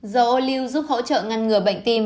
dầu ô lưu giúp hỗ trợ ngăn ngừa bệnh tim